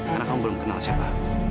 karena kamu belum kenal siapa